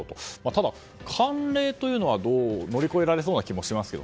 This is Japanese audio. ただ、慣例というのは乗り越えられそうな気もしますが。